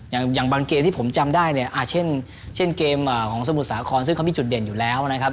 อย่างบางเกมที่ผมจำได้เนี่ยเช่นเกมของสมุทรสาครซึ่งเขามีจุดเด่นอยู่แล้วนะครับ